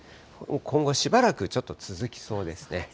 今後しばらくちょっと続きそうですね。